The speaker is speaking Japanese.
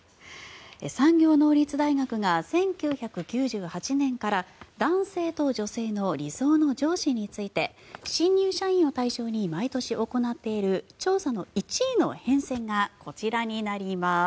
産業能率大学が１９９８年から男性と女性の理想の上司について新入社員を対象に毎年行っている調査の１位の変遷がこちらになります。